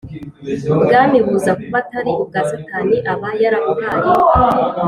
bwami buza kuba atari ubwa Satani aba yarabuhaye